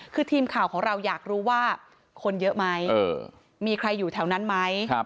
คือทีมข่าวของเราอยากรู้ว่าคนเยอะไหมมีใครอยู่แถวนั้นไหม